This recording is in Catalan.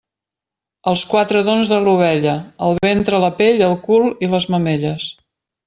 Els quatre dons de l'ovella: el ventre, la pell, el cul i les mamelles.